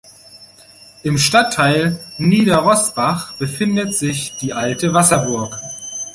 Im Stadtteil Nieder-Rosbach befindet sich die alte Wasserburg.